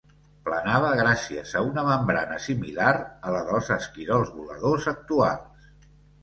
Planava gràcies a una membrana similar a la dels esquirols voladors actuals.